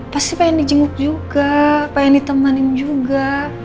pasti pengen di jenguk juga pengen ditemanin juga